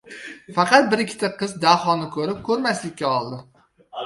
Faqat bir-ikkita qiz Dahoni ko‘rib, ko‘rmaslikka oldi.